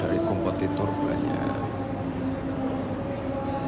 dari kompetitor banyak